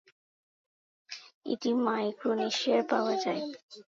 এটি মাইক্রোনেশিয়ায় পাওয়া যায়।